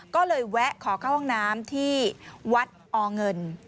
ก็เลยแวะขอเข้าห้องน้ำที่วัดอเงิน